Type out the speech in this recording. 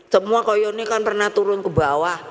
semua koyonnya kan pernah turun ke bawah